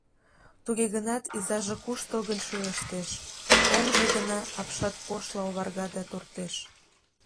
Туге гынат изаже куштылгын шӱлештеш, оҥжо гына апшатпошла оварга да туртеш.